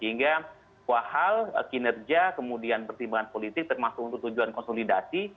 nah wahl kinerja kemudian pertimbangan politik termasuk untuk tujuan konsolidasi